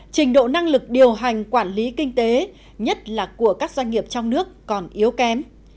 trình độ năng lực điều hành quản lý kinh tế nhất là của các doanh nghiệp trong nước còn yếu kém